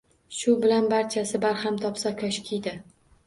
Shu bilan barchasi barham topsa, koshkiydi.